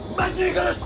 殺す！